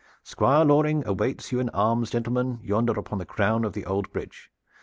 Squire Loring awaits you in arms, gentlemen, yonder upon the crown of the old bridge.